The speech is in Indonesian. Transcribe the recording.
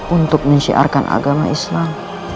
untuk menyiarkan agama islam